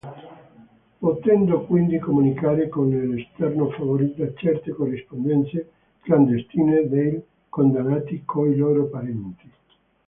Potendo quindi comunicare con l'esterno favoriva certe corrispondenze clandestine dei condannati coi loro parenti.